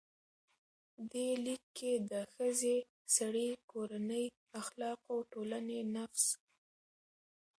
دې لیک کې د ښځې، سړي، کورنۍ، اخلاقو، ټولنې، نفس،